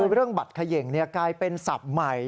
คือเรื่องบัตรเขย่งกลายเป็นศัพท์ใหม่